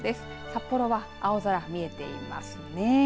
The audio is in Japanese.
札幌は青空、見えていますね。